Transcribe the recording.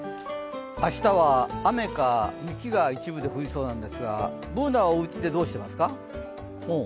明日は雨か雪が一部で降りそうなんですが、Ｂｏｏｎａはおうちでどうしてますか？